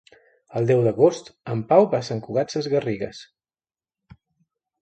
El deu d'agost en Pau va a Sant Cugat Sesgarrigues.